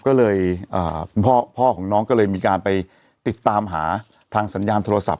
ก็เลยคุณพ่อของน้องก็เลยมีการไปติดตามหาทางสัญญาณโทรศัพท์